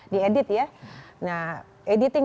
diedit ya nah editing